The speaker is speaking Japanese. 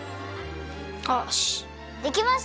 よしできました！